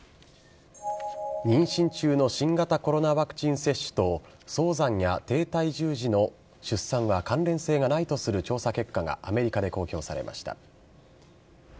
妊娠中の新型コロナワクチン接種と、早産や低体重児の出産は関連性がないとする調査結果がアメリカで公表されました。